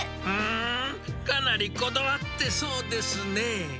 うーん、かなりこだわってそうですね。